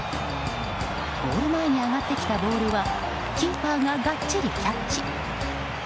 ゴール前に上がってきたボールはキーパーががっちりキャッチ。